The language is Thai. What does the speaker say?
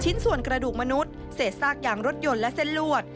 ส่วนกระดูกมนุษย์เศษซากยางรถยนต์และเส้นลวด